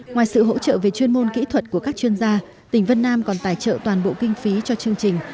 ngoài sự hỗ trợ về chuyên môn kỹ thuật của các chuyên gia tỉnh vân nam còn tài trợ toàn bộ kinh phí cho chương trình